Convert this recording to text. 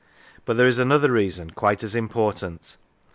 But there is another reason, quite as important.